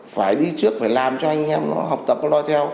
phải đi trước phải làm cho anh em nó học tập nó lo theo